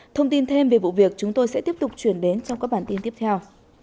thông tin thêm về vụ việc chúng tôi sẽ tiếp tục chuyển đến trong các bản tin tiếp theo